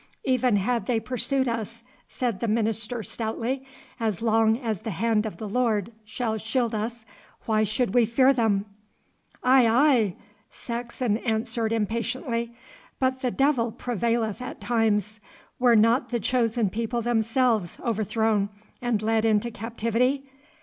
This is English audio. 'Even had they pursued us,' said the minister stoutly, 'as long as the hand of the Lord shall shield us, why should we fear them?' 'Aye, aye!' Saxon answered impatiently, 'but the devil prevaileth at times. Were not the chosen people themselves overthrown and led into captivity?